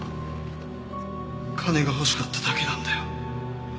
金が欲しかっただけなんだよ。